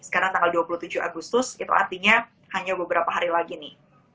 sekarang tanggal dua puluh tujuh agustus itu artinya hanya beberapa hari lagi nih